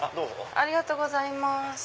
ありがとうございます。